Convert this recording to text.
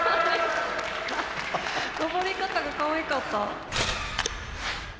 登り方がかわいかった。